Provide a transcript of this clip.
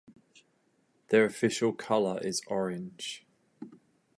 Their official color is orange.